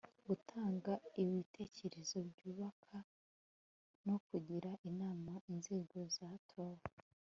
gutanga ibitekerezo byubaka no kugira inama inzego zatowe